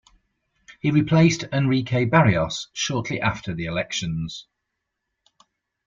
He replaced Enrique Barrios shortly after the elections.